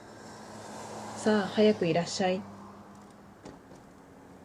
さあ、早くいらっしゃい